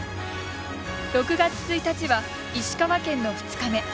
６月１日は石川県の２日目。